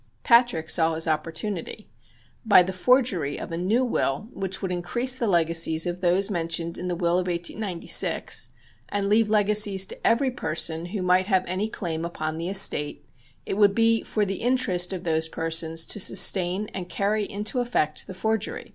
Patrick saw his opportunity. By the forgery of a new will which would increase the legacies of those mentioned in the will of 1896 and leave legacies to every person who might have any claim upon the estate, it would be for the interest of those persons to sustain and carry into effect the forgery.